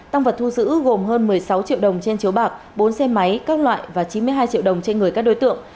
tăng vật thu giữ gồm hơn một mươi sáu triệu đồng trên chiếu bạc bốn xe máy các loại và chín mươi hai triệu đồng trên người các đối tượng